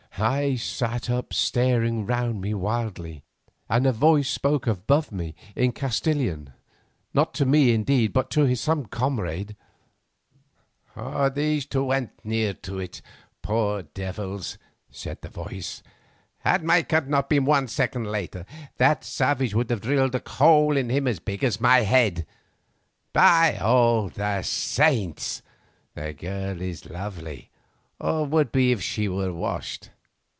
I sat up staring round me wildly, and a voice spoke above me in Castilian, not to me indeed but to some comrade. "These two went near to it, poor devils," said the voice. "Had my cut been one second later, that savage would have drilled a hole in him as big as my head. By all the saints! the girl is lovely, or would be if she were washed.